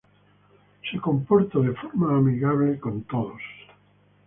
Con todos se comporta de forma amigable.